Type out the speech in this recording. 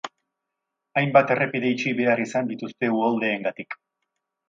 Hainbat errepide itxi behar izan dituzte uholdeengatik.